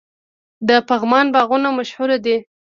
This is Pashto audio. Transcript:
د پغمان باغونه مشهور دي.